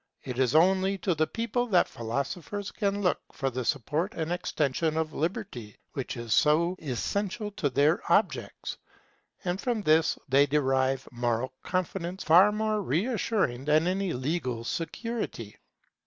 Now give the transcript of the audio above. It is only to the people that philosophers can look for the support and extension of Liberty, which is so essential to their objects; and from this they derive moral confidence far more reassuring than any legal security.